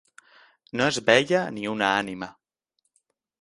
No es veia ni una ànima